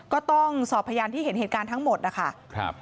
ก็ต้องสอบพยานที่เห็นเหตุการณ์ทั้งหมดนะคะ